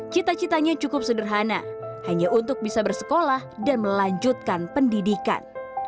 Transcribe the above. cita citanya cukup sederhana hanya untuk bisa bersekolah dan melanjutkan pendidikan